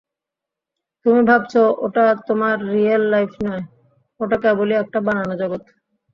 তুমি ভাবছ, ওটা তোমার রিয়েল লাইফ নয়, ওটা কেবলই একটা বানানো জগৎ।